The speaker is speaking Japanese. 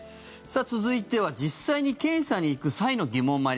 さあ、続いては実際に検査に行く際の疑問。